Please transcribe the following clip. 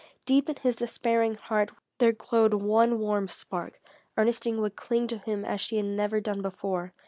Deep in his despairing heart there glowed one warm spark. Ernestine would cling to him as she had never done before.